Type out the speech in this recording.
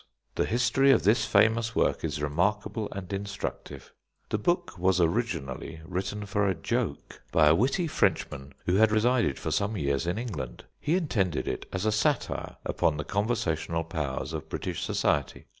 The history of this famous work is remarkable and instructive. The book was originally written for a joke, by a witty Frenchman who had resided for some years in England. He intended it as a satire upon the conversational powers of British society.